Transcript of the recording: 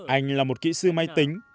anh là một kỹ sư máy tính